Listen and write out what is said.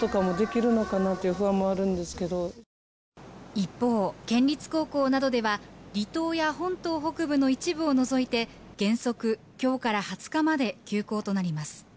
一方、県立高校などでは離島や本島北部の一部を除いて原則、今日から２０日まで休校となります。